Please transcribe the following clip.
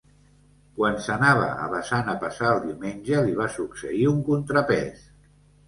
Quan s'anava avesant a passar el diumenge, li va succeir un contrapès.